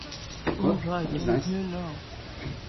Alright. I'm here now.